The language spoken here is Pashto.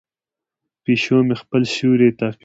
پیشو مې خپل سیوری تعقیبوي.